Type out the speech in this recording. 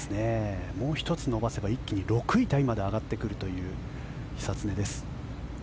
もう１つ伸ばせば一気に６位タイまで上がってくるという久常です。